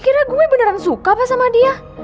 dikira gue beneran suka apa sama dia